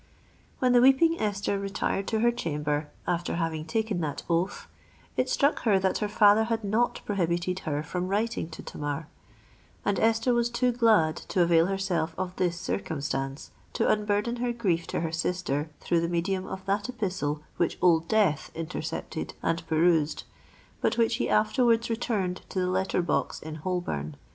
When the weeping Esther retired to her chamber, after having taken that oath, it struck her that her father had not prohibited her from writing to Tamar: and Esther was too glad to avail herself of this circumstance, to unburthen her grief to her sister through the medium of that epistle which Old Death intercepted and perused, but which he afterwards returned to the letter box in Holborn.